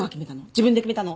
自分で決めたの？